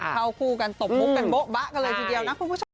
เข้าคู่กันตบมุกกันโบ๊บะกันเลยทีเดียวนะคุณผู้ชม